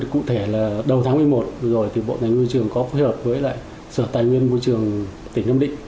cụ thể là đầu tháng một mươi một vừa rồi thì bộ tài nguyên môi trường có phối hợp với lại sở tài nguyên môi trường tỉnh âm định